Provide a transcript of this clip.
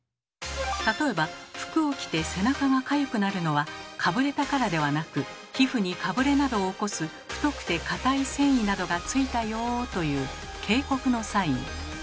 例えば服を着て背中がかゆくなるのはかぶれたからではなく皮膚にかぶれなどを起こす太くて硬い繊維などがついたよという警告のサイン。